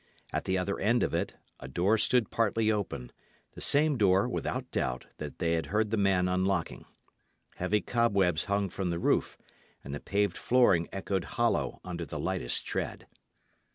At the other end of it, a door stood partly open; the same door, without doubt, that they had heard the man unlocking. Heavy cobwebs hung from the roof; and the paved flooring echoed hollow under the lightest tread.